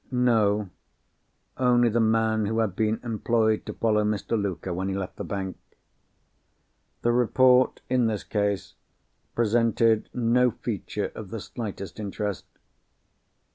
No: only the man who had been employed to follow Mr. Luker when he left the bank. The report, in this case, presented no feature of the slightest interest.